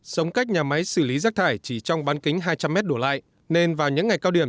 sống cách nhà máy xử lý rác thải chỉ trong bán kính hai trăm linh m đổ lại nên vào những ngày cao điểm